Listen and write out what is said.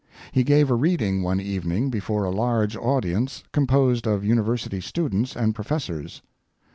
He gave a reading one evening before a large audience composed of university students and professors.